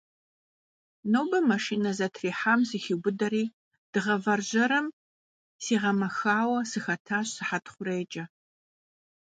Нобэ машинэ зэтрихьам сыхиубыдэри, дыгъэ вэржьэрым сигъэмэхауэ сыхэтащ сыхьэт хъурейкӏэ.